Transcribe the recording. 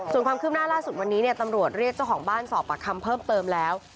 ส่วนความคืบหน้าล่าสุดวันนี้ตำรวจเรียกเจ้าของบ้านสอบปากคำเพิ่มเติมแล้ว